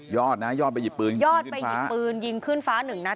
ยอดนะยอดไปหยิบปืนยอดไปหยิบปืนยิงขึ้นฟ้าหนึ่งนัด